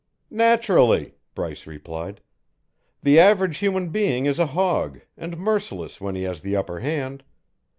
"Naturally!" Bryce replied. "The average human being is a hog, and merciless when he has the upper hand.